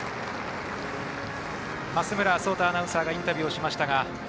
増村聡太アナウンサーがインタビューをしました。